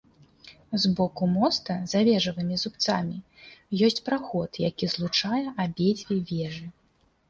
З боку моста за вежавымі зубцамі ёсць праход, які злучае абедзве вежы.